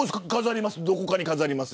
どこかに飾ります。